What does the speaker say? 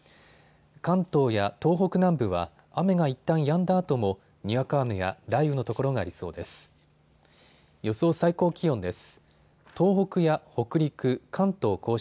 関東や東北南部は雨がいったんやんだあともにわか雨や雷雨の所がありそうです。